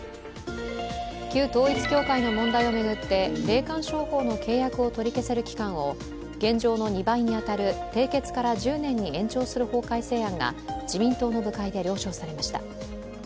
旧統一教会の問題を巡って霊感商法の契約を取り消せる期間を現状の２倍に当たる締結から１０年に延長する法改正案が自民党の部会で了承されました。